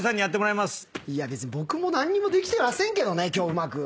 別に僕も何にもできてませんけどね今日うまく。